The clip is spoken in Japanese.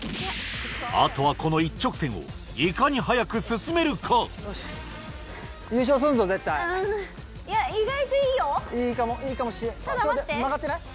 あとはこの一直線をいかに早く進めるかうんいや意外といいよいいかもいいかも曲がってない？